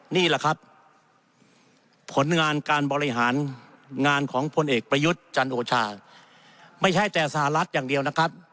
นี่แหละครับผลงานการบริหารงานของพลเอกประยุทธ์จันโอชาไม่ใช่แต่สหรัฐอย่างเดียวนะครับ